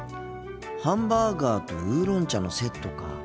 ハンバーガーとウーロン茶のセットか。